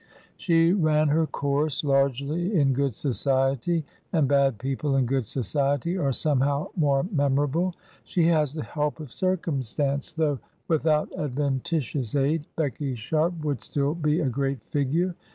She ran her course largely in good society, and bad people in good society are somehow more memorable. She has the help of circumstance, 192 Digitized by VjOOQIC THACKERAY'S BAD HEROINES though without adventitious aid Becky Sharp would still be a great figure.